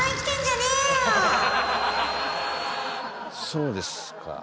そうですか。